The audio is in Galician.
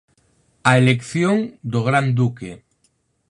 A elección do Gran Duque